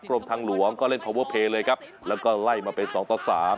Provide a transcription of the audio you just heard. กรมทางหลวงก็เล่นเลยครับแล้วก็ไล่มาเป็นสองต่อสาม